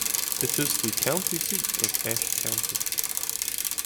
It is the county seat of Ashe County.